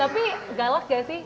tapi galak gak sih